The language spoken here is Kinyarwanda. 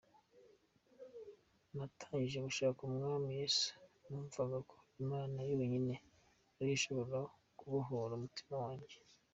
Natangiye gushaka Umwami Yesu, numvaga ko Imana yonyine ariyo ishobora kubohora umutima wanjye.